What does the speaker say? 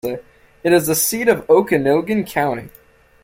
It is the seat of Okanogan County.